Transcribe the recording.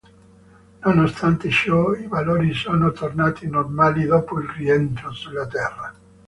Nonostante ciò, i valori sono tornati normali dopo il rientro sulla Terra.